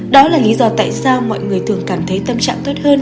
đó là lý do tại sao mọi người thường cảm thấy tâm trạng tốt hơn